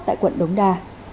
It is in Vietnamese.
tại quận đống đa